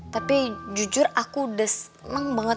tapi jujur aku udah seneng banget